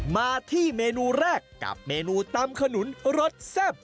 มาที่เมนูแรกกับเมนูตำขนุนรสแซ่บ